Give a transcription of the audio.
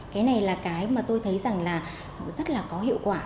cái này là cái mà tôi thấy rằng là rất là có hiệu quả